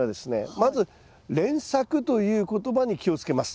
まず連作という言葉に気をつけます。